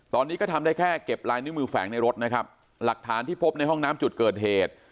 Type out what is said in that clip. ตอนนี้ก็ทำได้แค่เก็บลายนิ้วมือแฝงในรถนะครับหลักฐานที่พบในห้องน้ำจุดเกิดเหตุ